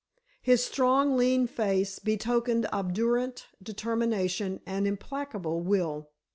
His strong, lean face betokened obdurate determination and implacable will.